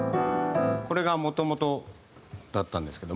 これがもともとだったんですけど。